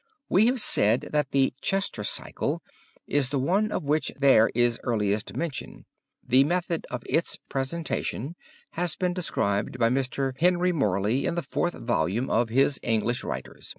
We have said that the Chester Cycle is the one of which there is earliest mention. The method of its presentation has been described by Mr. Henry Morley in the fourth volume of his English Writers.